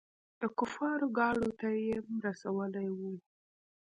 د کفارو ګاډو ته يېم رسولي وو.